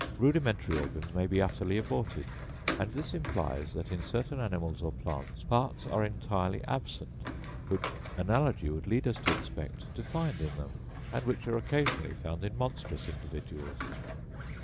Rudimentary organs may be utterly aborted; and this implies, that in certain animals or plants, parts are entirely absent which analogy would lead us to expect to find in them, and which are occasionally found in monstrous individuals.